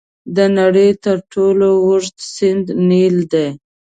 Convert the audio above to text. د نړۍ تر ټولو اوږد سیند نیل دی.